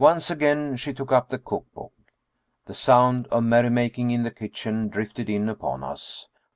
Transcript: Once again she took up the cook book. The sound of merrymaking in the kitchen drifted in upon us.